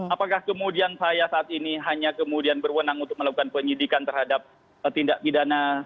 apakah kemudian saya saat ini hanya kemudian berwenang untuk melakukan penyidikan terhadap tindak pidana